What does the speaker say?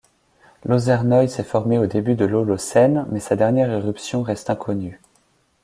L'Ozernoï s'est formé au début de l'Holocène mais sa dernière éruption reste inconnue.